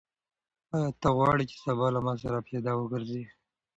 آیا ته غواړې چې سبا له ما سره پیاده وګرځې؟